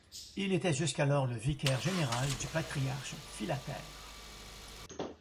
Il était jusqu’alors le vicaire général du patriarche Philarète.